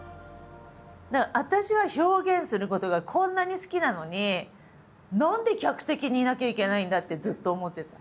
私は表現することがこんなに好きなのに何で客席にいなきゃいけないんだってずっと思ってた。